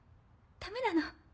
ダメなの。